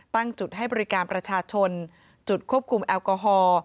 ตั้งจุดให้บริการประชาชนจุดควบคุมแอลกอฮอล์